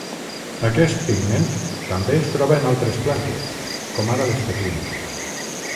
Aquest pigment també es troba en altres plantes, com ara les petúnies.